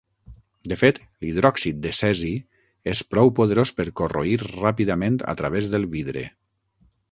De fet, l'hidròxid de cesi és prou poderós per corroir ràpidament a través del vidre.